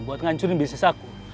buat ngancurin bisnis aku